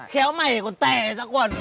khéo mày còn tè ra quần